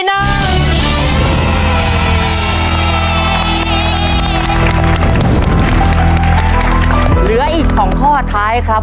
เหลืออีก๒ข้อท้ายครับ